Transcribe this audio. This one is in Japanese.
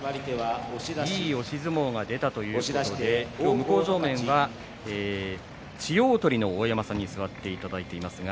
いい押し相撲が出たということで向正面には千代鳳の大山さんに座っていただいています。